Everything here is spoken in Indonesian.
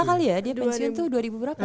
lima kali ya dia pensiun tuh dua ribu berapa